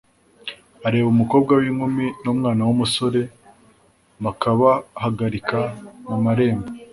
areba umukobwa w’inkumi n’umwana w’umusore, bakabahagarika mu marembo,